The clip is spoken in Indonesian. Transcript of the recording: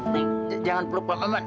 nanti jangan peluk pak mauman